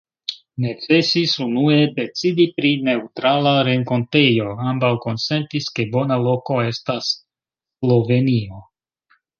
Necesis unue decidi pri neŭtrala renkontejo: ambaŭ konsentis, ke bona loko estas Slovenio.